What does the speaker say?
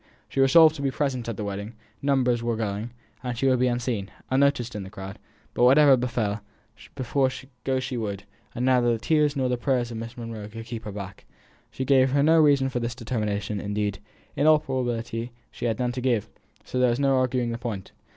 She resolved to be present at the wedding; numbers were going; she would be unseen, unnoticed in the crowd; but whatever befell, go she would, and neither the tears nor the prayers of Miss Monro could keep her back. She gave no reason for this determination; indeed, in all probability she had none to give; so there was no arguing the point.